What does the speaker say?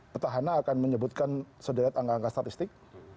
petahana akan menyebutkan sederet angka angka statistik